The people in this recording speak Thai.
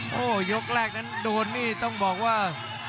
โอ้โหยกแรกนั้นโดนนี่ต้องบอกว่า